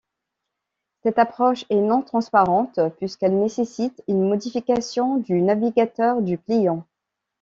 Cette approche est non-transparente puisqu'elle nécessite une modification du navigateur du client.